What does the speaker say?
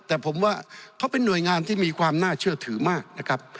แต่ผมว่าเขาเป็นหน่วยงานที่มีความน่าเชื่อถือมากนะครับ